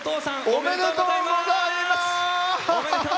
おめでとうございます。